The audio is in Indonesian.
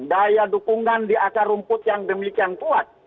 daya dukungan di akar rumput yang demikian kuat